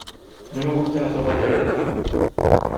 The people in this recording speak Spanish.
No me gusta la sopa de fideos.